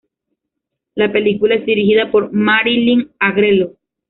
La película es dirigida por Marilyn Agrelo.